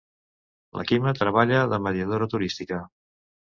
La Quima treballa de mediadora turística.